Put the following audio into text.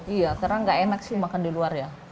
iya karena nggak enak sih makan di luar ya